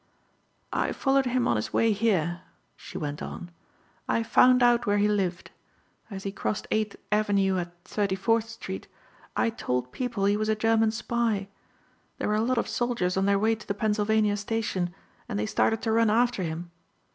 "I followed him on his way here," she went on. "I found out where he lived. As he crossed Eighth avenue at 34th street I told people he was a German spy. There were a lot of soldiers on their way to the Pennsylvania station and they started to run after him.